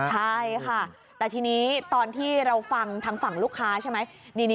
ใช่ค่ะแต่ทีนี้ตอนที่เราฟังทางฝั่งลูกค้าใช่ไหม